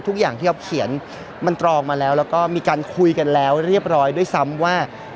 ทุกอย่างที่ออฟเขียนมันตรองมาแล้วแล้วก็มีการคุยกันแล้วเรียบร้อยด้วยซ้ำว่า